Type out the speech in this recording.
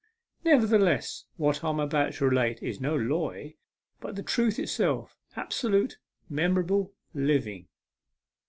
Nevertheless, what I am about to relate is no " loy," but the truth itself absolute, memorable, living.